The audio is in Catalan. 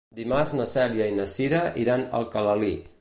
Dimarts na Cèlia i na Cira iran a Alcalalí.